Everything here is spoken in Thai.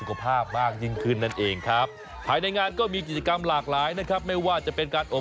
การเป็น๓วัยนะครับเขามีทุกช่วงอายุมาร่วมกัน